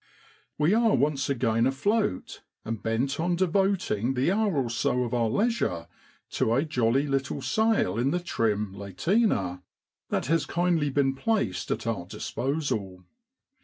We are once again afloat, and bent on devoting the hour or so of our leisure to a jolly little sail in the trim ' lateener J that has kindly been placed at our dis posal.